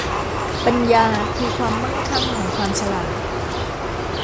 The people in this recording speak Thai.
ปัญญาคือความมั่งคั่งของความฉลาด